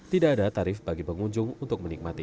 tidak ada tarif bagi pengunjung untuk menikmati